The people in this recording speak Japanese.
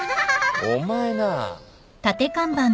お前な。